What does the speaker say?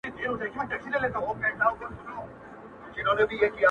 زما په زړه کي خو شېريني; زمانې د ښار پرتې دي;